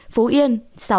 phú yên sáu trăm năm mươi sáu